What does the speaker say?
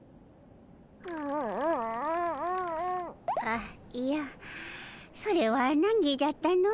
あいやそれはなんぎじゃったの。